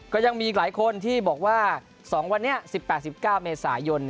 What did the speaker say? ก็ยังมีอีกหลายคนที่บอกว่า๒วันนี้๑๘๑๙เมษายน